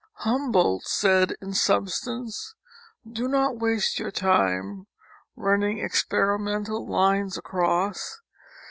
Humboldt said in substance, " Do not waste your time in run ning experimental lines across.